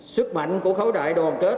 sức mạnh của khấu đại đoàn kết